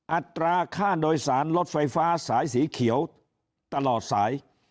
อัตราค่าโดยสารรถไฟฟ้าสายสีเขียวตลอดสาย